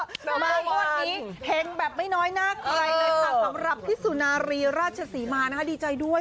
รางวัลนี้เพลงแบบไม่น้อยน่าเคยเลยค่ะสำหรับที่สุนารีราชศรีมาดีใจด้วย